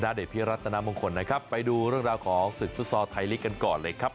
ชนะเดชน์พรีรัชน์ตนะมาังคลครับไปดูเรื่องราวของศึกษอไทลิกกันก่อนเลยครับ